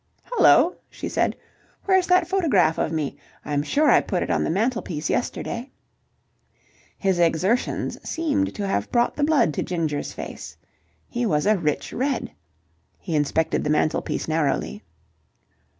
"Hullo!" she said. "Where's that photograph of me? I'm sure I put it on the mantelpiece yesterday." His exertions seemed to have brought the blood to Ginger's face. He was a rich red. He inspected the mantelpiece narrowly.